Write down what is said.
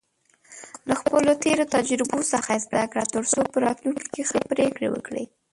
له خپلو تېرو تجربو څخه زده کړه، ترڅو په راتلونکي کې ښه پریکړې وکړې.